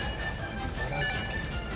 茨城県。